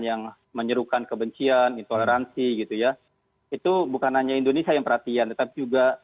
yang menyerukan kebencian intoleransi gitu ya itu bukan hanya indonesia yang perhatian tetapi juga